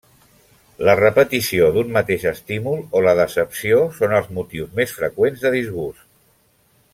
La repetició d'un mateix estímul o la decepció són els motius més freqüents de disgust.